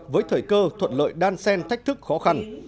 với thời cơ thuận lợi đan sen thách thức khó khăn